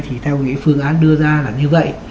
thì theo cái phương án đưa ra là như vậy